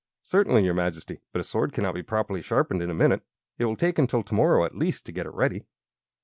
"Certainly, your Majesty. But a sword cannot be properly sharpened in a minute. It will take until to morrow, at least, to get it ready."